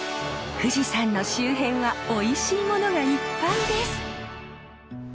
富士山の周辺はおいしいものがいっぱいです！